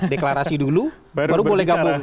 deklarasi dulu baru boleh gabung